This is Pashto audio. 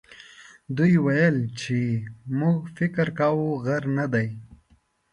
دوی ویل هغه چې موږ فکر کاوه غر نه دی.